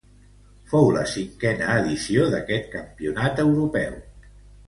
Fou la cinquena edició d'este campionat europeu.